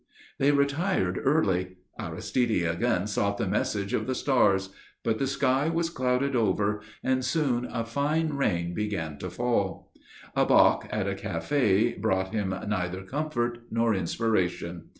They retired early. Aristide again sought the message of the stars; but the sky was clouded over, and soon a fine rain began to fall. A bock at a café brought him neither comfort nor inspiration.